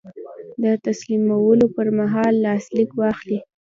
د تسلیمولو پر مهال لاسلیک واخلئ.